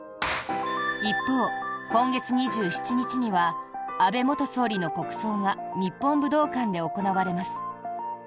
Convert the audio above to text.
一方、今月２７日には安倍元総理の国葬が日本武道館で行われます。